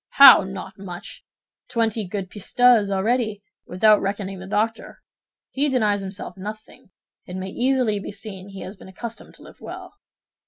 "How, not much! Twenty good pistoles, already, without reckoning the doctor. He denies himself nothing; it may easily be seen he has been accustomed to live well."